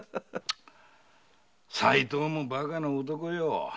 齋藤もバカな男よ。